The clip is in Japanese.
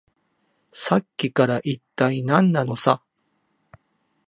さっきから、いったい何なのさ。